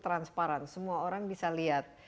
transparan semua orang bisa lihat